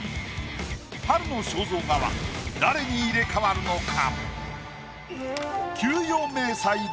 春の肖像画は誰に入れ替わるのか？